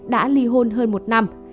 đã li hôn hơn một năm